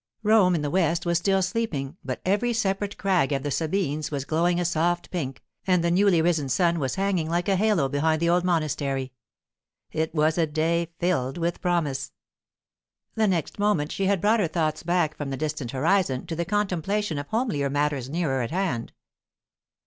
Rome in the west was still sleeping, but every separate crag of the Sabines was glowing a soft pink, and the newly risen sun was hanging like a halo behind the old monastery. It was a day filled with promise. The next moment she had brought her thoughts back from the distant horizon to the contemplation of homelier matters nearer at hand.